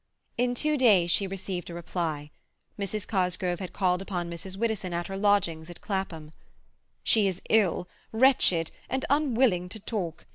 In two days she received a reply. Mrs. Cosgrove had called upon Mrs. Widdowson at her lodgings at Clapham. "She is ill, wretched, and unwilling to talk.